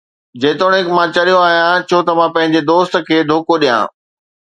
جيتوڻيڪ مان چريو آهيان، ڇو ته مان پنهنجي دوست کي دوکو ڏيان؟